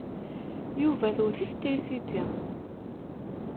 Yuba tewwet-it trisiti.